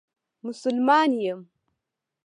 مسلمان یم.